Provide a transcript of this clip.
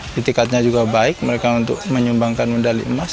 ketikatnya juga baik mereka untuk menyumbangkan medali emas